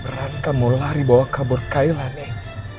beran kamu lari bawa kabur kaila nih